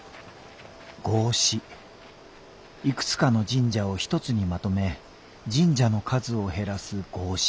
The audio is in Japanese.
いくつかの神社を一つにまとめ神社の数を減らす合祀。